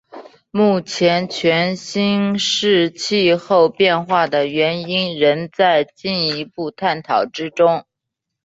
目前全新世气候变化的原因仍在进一步探讨之中。